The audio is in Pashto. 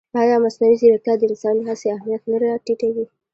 ایا مصنوعي ځیرکتیا د انساني هڅې اهمیت نه راټیټوي؟